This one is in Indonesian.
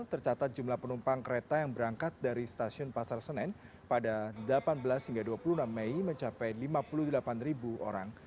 tercatat jumlah penumpang kereta yang berangkat dari stasiun pasar senen pada delapan belas hingga dua puluh enam mei mencapai lima puluh delapan orang